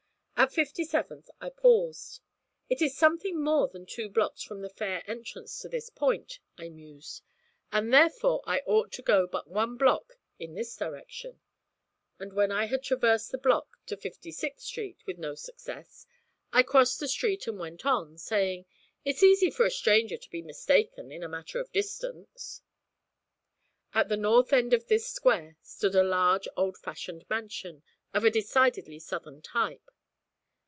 At Fifty seventh I paused. 'It is something more than two blocks from the Fair entrance to this point,' I mused, 'and therefore I ought to go but one block in this direction.' But when I had traversed the block to Fifty sixth Street, with no success, I crossed the street and went on, saying, 'It's easy for a stranger to be mistaken in a matter of distance.' At the north end of this square stood a large old fashioned mansion, of a decidedly Southern type.